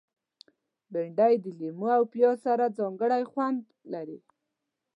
بېنډۍ د لیمو او پیاز سره ځانګړی خوند لري